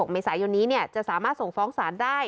เมษายนนี้จะสามารถส่งฟ้องศาลได้